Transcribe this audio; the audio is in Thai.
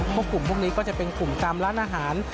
พวกกลุ่มพวกนี้ก็จะเป็นกลุ่มตามร้านอาหาร